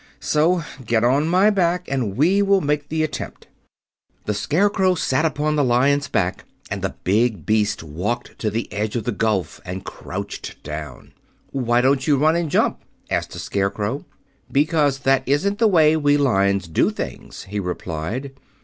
So get on my back and we will make the attempt." The Scarecrow sat upon the Lion's back, and the big beast walked to the edge of the gulf and crouched down. "Why don't you run and jump?" asked the Scarecrow. "Because that isn't the way we Lions do these things," he replied.